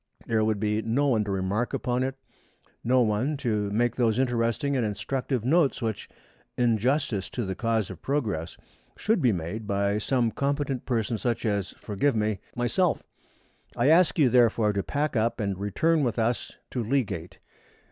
There would be no one to remark upon it, no one to make those interesting and instructive notes which, in justice to the cause of progress, should be made by some competent person such as forgive me myself. I ask you, therefore, to pack up and return with us to Leagate.